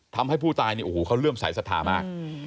ทำให้ผู้ตายเนี่ยโอ้โหเขาเลื่อมสายศรัทธามาก